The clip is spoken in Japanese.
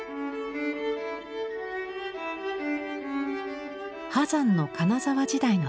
波山の金沢時代の作品。